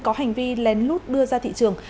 có hành vi lén lút đưa ra thị trường